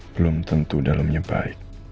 belum tentu dalamnya baik